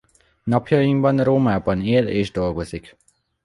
Napjainkban Rómában él és dolgozik.